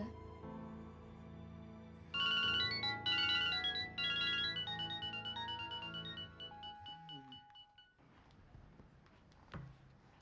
nanti aku akan berikan kepadaku